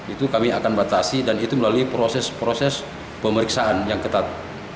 itu kami akan batasi dan itu melalui proses proses pemeriksaan yang ketat